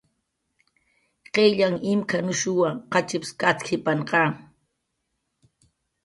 "Qillyanh imk""anushunwa, qachips katk""ipanqa"